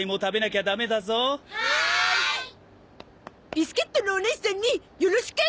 ビスケットのおねいさんによろしく！